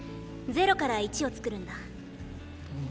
０から１をつくるんだ。